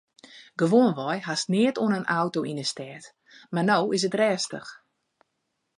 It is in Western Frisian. Gewoanwei hast neat oan in auto yn 'e stêd mar no is it rêstich.